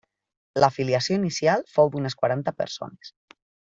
L'afiliació inicial fou d'unes quaranta persones.